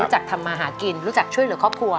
ทำมาหากินรู้จักช่วยเหลือครอบครัว